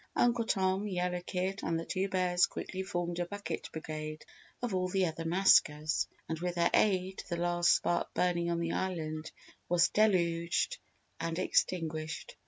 Uncle Tom, Yellow Kid and the Two Bears quickly formed a bucket brigade of all the other maskers, and with their aid the last spark burning on the island was deluged and extinguished.